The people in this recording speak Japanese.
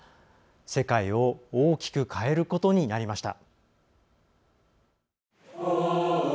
世界を大きく変えることになりました。